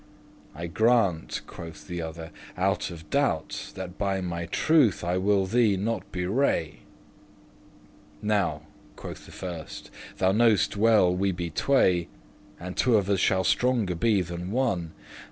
"I grante," quoth the other, "out of doubt, That by my truth I will thee not bewray."* *betray "Now," quoth the first, "thou know'st well we be tway, And two of us shall stronger be than one.